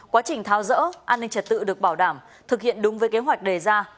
quá trình thao dỡ an ninh trật tự được bảo đảm thực hiện đúng với kế hoạch đề ra